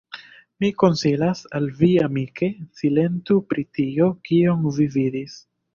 mi konsilas al vi amike, silentu pri tio, kion vi vidis.